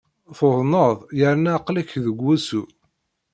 Tuḍned yerna aql-ik deg wusu.